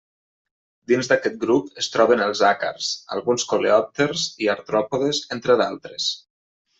Dins d'aquest grup, es troben els àcars, alguns coleòpters i artròpodes, entre d'altres.